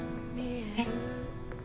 えっ？